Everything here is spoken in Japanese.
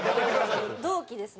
同期ですね。